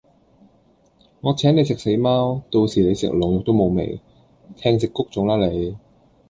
我請你食死貓，到時你食龍肉都無味，聽食穀種啦你